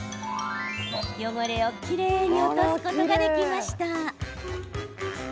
汚れをきれいに落とすことができました。